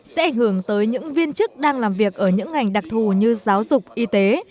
sẽ ảnh hưởng tới những viên chức đang làm việc ở những ngành đặc thù như giáo dục y tế